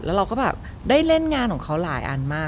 แล้วเราก็แบบได้เล่นงานของเขาหลายอันมาก